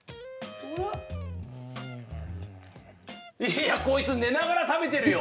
いや、こいつ寝ながら食べてるよ。